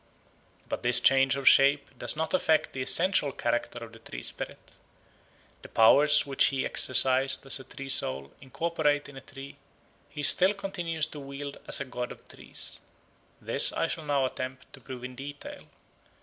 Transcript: But this change of shape does not affect the essential character of the tree spirit. The powers which he exercised as a tree soul incorporate in a tree, he still continues to wield as a god of trees. This I shall now attempt to prove in detail.